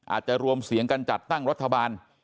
อาจจะรวมเสียงกันจัดตั้งรัฐบาล